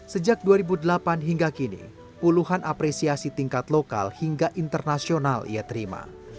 sejak dua ribu delapan hingga kini puluhan apresiasi tingkat lokal hingga internasional ia terima